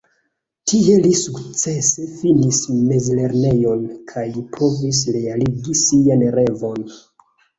Tie li sukcese finis mezlernejon kaj provis realigi sian revon.